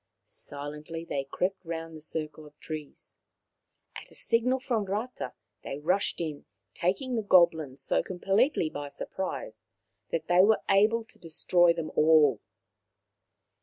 Silently they crept round the circle of trees. At a signal from Rata they rushed in, taking the goblins so completely by surprise that they were able to destroy them all.